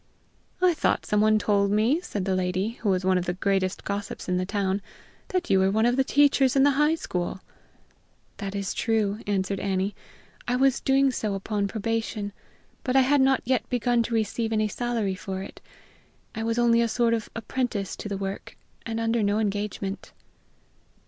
"I thought someone told me," said the lady, who was one of the greatest gossips in the town, "that you were one of the teachers in the High School?" "That is true," answered Annie; "I was doing so upon probation; but I had not yet begun to receive any salary for it. I was only a sort of apprentice to the work, and under no engagement."